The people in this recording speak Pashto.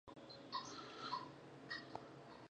هغه وویل چې ټولنیز فعالیت د فشار کمولو کې مرسته کوي.